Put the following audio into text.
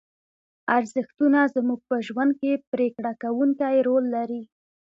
ارزښتونه زموږ په ژوند کې پرېکړه کوونکی رول لري.